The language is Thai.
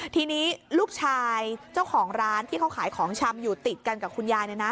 ทีนี้ลูกชายเจ้าของร้านที่เขาขายของชำอยู่ติดกันกับคุณยาย